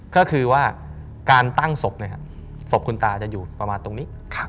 ก็คือว่าการตั้งศพศพคุณตาจะอยู่ประมาณตรงนี้